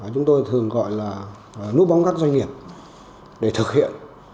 chúng tôi thường gọi là núp bóng các doanh nghiệp để thực hiện